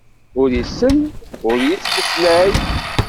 Ur isell, ur yettmeslay.